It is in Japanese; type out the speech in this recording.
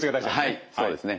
はいそうですね。